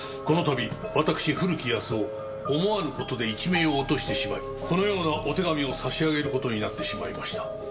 「この度私古木保男思わぬことで一命を落としてしまいこのようなお手紙を差し上げることになってしまいました」